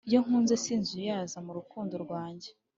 Iyo nkunze sinzuyaza mu rukundo rwanjye